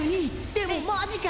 でもマジか！！